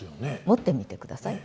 持ってみてください。